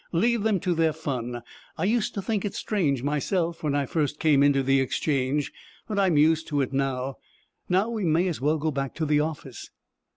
"Leave them to their fun. I used to think it strange myself, when I first came into the Exchange, but I'm used to it now. Now we may as well go back to the office."